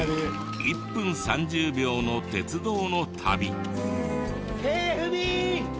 １分３０秒の鉄道の旅。